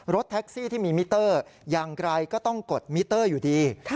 รถแท็กซี่ที่มีมิเตอร์อย่างไรก็ต้องกดมิเตอร์อยู่ดี